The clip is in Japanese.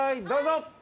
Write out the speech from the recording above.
どうぞ。